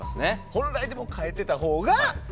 本来は変えてたほうが。